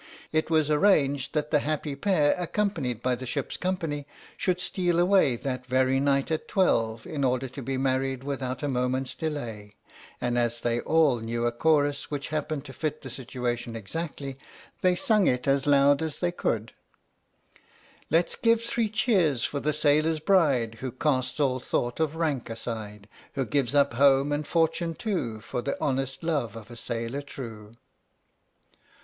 It was arranged that the happy pair, accompanied by the ship's company, should steal away that very night at twelve, in order to be married without a moment's delay, and as they all knew a chorus which happened to fit the situation exactly, they sung it as loud as they could: Let 's give three cheers for the sailor's bride, Who casts all thoughts of rank aside, Who gives up home and fortune too, For the honest love of a sailor true!